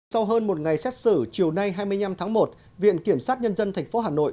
sau hơn một ngày xét xử chiều nay hai mươi năm tháng một viện kiểm sát nhân dân tp hà nội